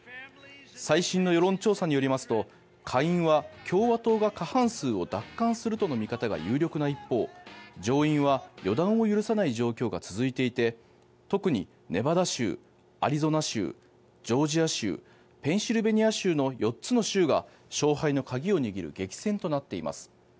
最新の世論調査によりますと下院は共和党が過半数を奪還するとの見方が有力な一方上院は予断を許さない状況が続いていて特にネバダ州、アリゾナ州ジョージア州ペンシルベニア州の４つの州が勝敗の鍵を握る激戦となっています。